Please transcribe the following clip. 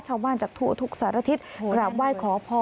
ชาวบ้านจากทุกสัตว์อาทิตย์กลับไหว้ขอพร